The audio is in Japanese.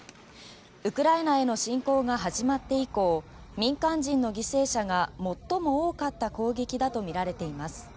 ウクライナへの侵攻が始まって以降民間人の犠牲者が最も多かった攻撃だとみられています。